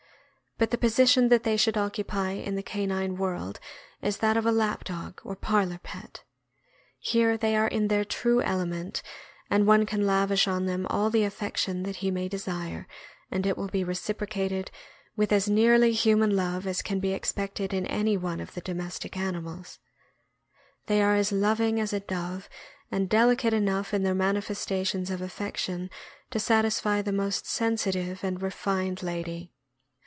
But the position that they should occupy in the canine world is that of a lap dog or parlor pet. Here they are in 632 THE AMERICAN BOOK OF THE DOG. their true element, and one can lavish on them all the affection that he may desire, and it will be reciprocated with as nearly human love as can be expected in any one of the domestic animals. They are as loving as a dove, and delicate enough in their manifestations of affection to sat isfy the most sensitive and refined lady.